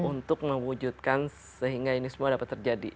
kita mau wujudkan sehingga ini semua dapat terjadi